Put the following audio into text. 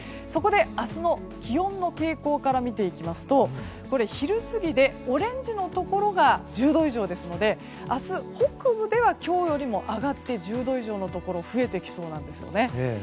そこで、明日の気温の傾向から見ていきますと昼過ぎでオレンジのところが１０度以上ですので明日北部では今日よりも上がって１０度以上のところが増えてきそうなんですよね。